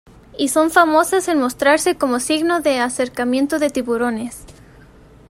Y son famosas en mostrarse como signo de acercamiento de tiburones.